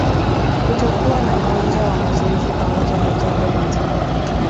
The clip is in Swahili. kutokuwa na uwanja wa mazoezi pamoja na jengo la timu